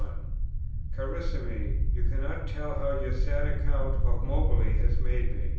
Carissime, you cannot tell how sad your account of Moberly has made me.